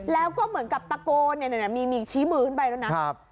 แล้วก็เหมือนกับตะโกนมีชี้มือขึ้นไปแล้วนะ